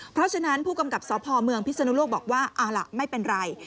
เพราะฉะนั้นผู้กำกับสพเมืองพิศนุโลกบอกว่าเอาล่ะไม่เป็นไร